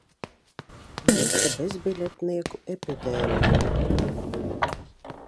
Īsta bezbiļetnieku epidēmija...